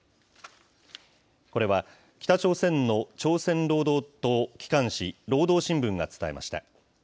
これは北朝鮮の朝鮮労働党機関紙、労働新聞が伝えました。